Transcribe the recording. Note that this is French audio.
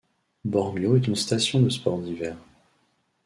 Bormio est une station de sports d'hiver.